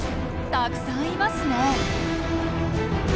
たくさんいますね。